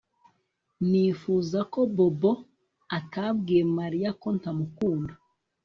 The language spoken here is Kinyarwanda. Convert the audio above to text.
Nifuza ko Bobo atabwiye Mariya ko ntamukunda